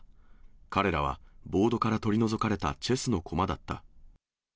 彼らはボードから取り除かれたチェスの駒だった。